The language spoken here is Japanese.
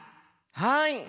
はい！